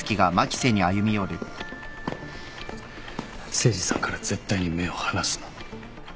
誠司さんから絶対に目を離すな。